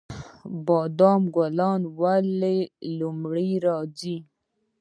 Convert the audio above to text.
د بادام ګلونه ولې لومړی راځي؟